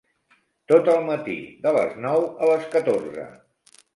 Tot el matí, de les nou a les catorze.